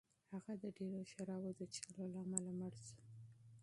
هغه د ډېرو شرابو د څښلو له امله مړ شو.